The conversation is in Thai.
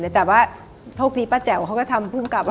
แต่ว่าโชคดีป้าแจ๋วเขาก็ทำภูมิกับ